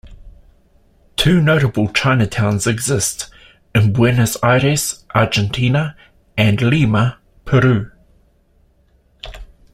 Two notable Chinatowns exist in Buenos Aires, Argentina and Lima, Peru.